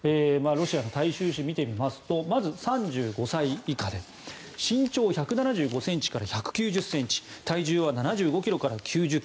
ロシアの大衆紙を見てみますとまず３５歳以下で身長１７５ｃｍから１９０ｃｍ体重は７５ｋｇから９０ｋｇ。